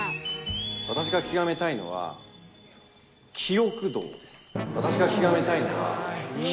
私が究めたいのは、記憶道です。